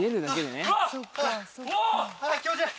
あぁ気持ちいい。